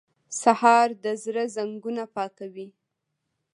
سهار د زړه زنګونه پاکوي.